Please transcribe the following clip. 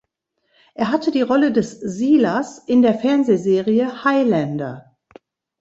Er hatte die Rolle des "Silas" in der Fernsehserie "Highlander".